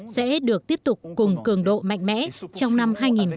sẽ được tiếp tục cùng cường độ mạnh mẽ trong năm hai nghìn một mươi tám